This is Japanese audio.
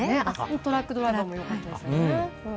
トラックドライバーもよかったですね。